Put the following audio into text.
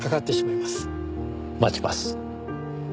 待ちます。